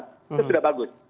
itu sudah bagus